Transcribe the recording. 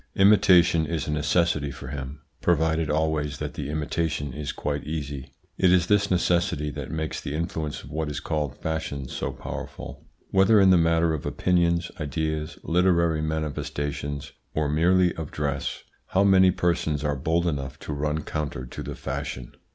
Imitation is a necessity for him, provided always that the imitation is quite easy. It is this necessity that makes the influence of what is called fashion so powerful. Whether in the matter of opinions, ideas, literary manifestations, or merely of dress, how many persons are bold enough to run counter to the fashion?